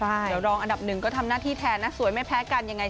เดี๋ยวรองอันดับหนึ่งก็ทำหน้าที่แทนนะสวยไม่แพ้กันยังไง